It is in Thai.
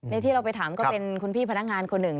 นี่ที่เราไปถามก็เป็นคุณพี่พนักงานคนหนึ่ง